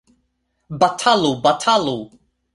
Batalu! batalu!